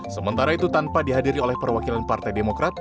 sementara itu tanpa dihadiri oleh perwakilan partai demokrat